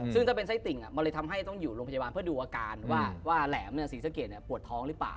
ซึ่งถ้าเป็นไส้ติ่งมันเลยทำให้ต้องอยู่โรงพยาบาลเพื่อดูอาการว่าแหลมศรีสะเกดปวดท้องหรือเปล่า